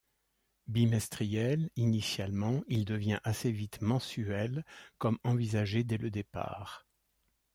Bimestriel, initialement, il devient assez vite mensuel, comme envisagé dès le départ.